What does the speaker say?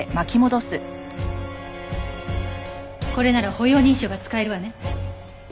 これなら歩容認証が使えるわね。